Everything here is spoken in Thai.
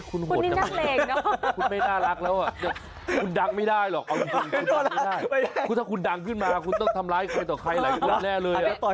คุณหมดนะคุณไม่น่ารักแล้วคุณดังไม่ได้หรอกเอาจริงคุณทำไม่ได้คือถ้าคุณดังขึ้นมาคุณต้องทำร้ายใครต่อใครหลายคนแน่เลย